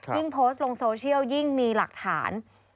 โพสต์ลงโซเชียลยิ่งมีหลักฐาน